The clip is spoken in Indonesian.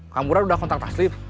kamu udah kontak taslim